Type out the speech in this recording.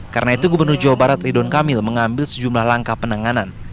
karena itu gubernur jawa barat ridon kamil mengambil sejumlah langkah penanganan